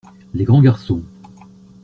Les grands garçons.